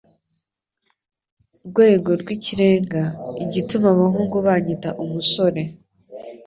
Rwego rw'ikirenga; igituma abahungu banyita umusore